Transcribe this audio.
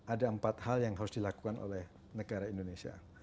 ada empat hal yang harus dilakukan oleh negara indonesia